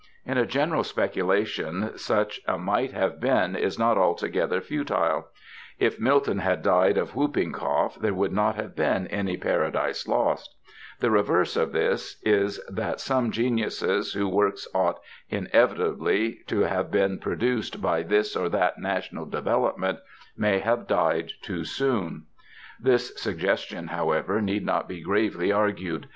In a general speculation such a might have been is not altogether futile; if Milton had died of whooping cough there would not have been any "Paradise Lost"; the reverse of this is that some geniuses whose works ought inevitably to have been produced by this or that national development may have died too soon. This suggestion, however, need not be gravely argued.